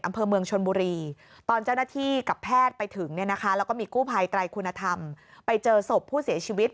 อำเภอเมืองชนบุรีตอนเจ้าหน้าที่กับแพทย์ไปถึงเนี่ยนะคะแล้วก็มีกู้ภัยไตรคุณธรรมไปเจอศพผู้เสียชีวิต